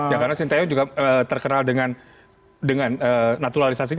ya karena sinteyo juga terkenal dengan naturalisasi